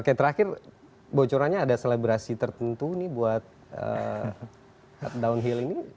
oke terakhir bocorannya ada selebrasi tertentu nih buat downhill ini